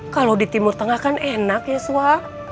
kalau di timur tengah kan enak ya sua